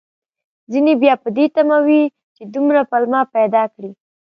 ځينې بيا په دې تمه وي، چې دومره پلمه پيدا کړي